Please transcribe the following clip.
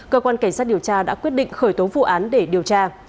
cơ quan cảnh sát điều tra đã quyết định khởi tố vụ án để điều tra